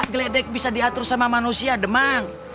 geledek bisa diatur sama manusia demang